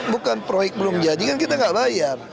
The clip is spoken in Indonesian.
bukan proyek belum jadi kan kita nggak bayar